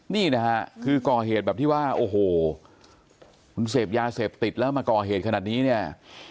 นี่นะฮะคือก่อเหตุแบบที่ว่าโอ้โหมันเสพยาเสพติดแล้วมาก่อเหตุขนาดนี้เนี่ย